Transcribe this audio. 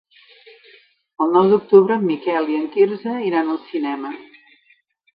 El nou d'octubre en Miquel i en Quirze iran al cinema.